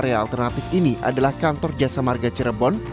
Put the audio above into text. area alternatif ini adalah kantor jasa marga cirebon